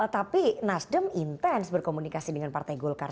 tapi nasdem intens berkomunikasi dengan partai golkar